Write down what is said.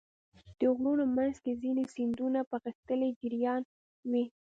د غرونو منځ کې ځینې سیندونه په غښتلي جریان وي.